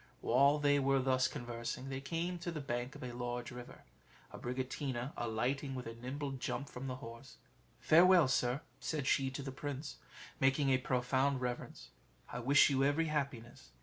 While they were thus conversing, they came to the bank of a large river: Abricotina alighting with a nimble jump from the horse "Farewell, sir," said she to the prince, making a profound reverence, "I wish you every happiness."